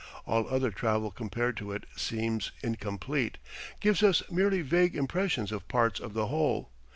All other travel compared to it seems incomplete, gives us merely vague impressions of parts of the whole.